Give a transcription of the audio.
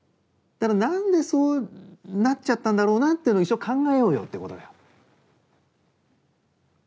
ただなんでそうなっちゃったんだろうなっていうのを一緒に考えようよってことだよ。